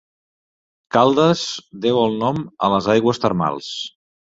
Caldes deu el nom a les aigües termals.